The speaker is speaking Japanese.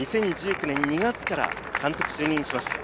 榎木監督が２０１９年２月から監督就任しました。